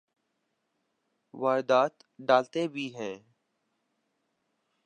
واردات ڈالتے بھی ہیں۔